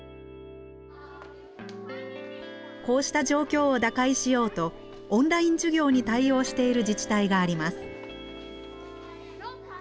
こうした状況を打開しようとオンライン授業に対応している自治体があります。